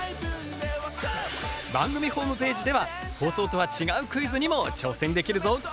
番組ホームページでは放送とは違うクイズにも挑戦できるぞ。